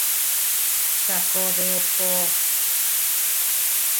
Sacode o po.